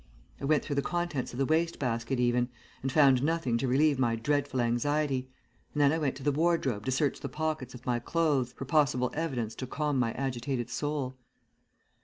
I went through the contents of the waste basket even, and found nothing to relieve my dreadful anxiety, and then I went to the wardrobe to search the pockets of my clothes for possible evidence to calm my agitated soul.